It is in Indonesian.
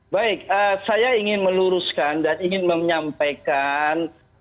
baik saya ingin meluruskan dan ingin menyampaikan